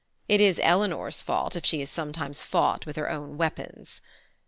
It is Eleanor's fault if she is sometimes fought with her own weapons.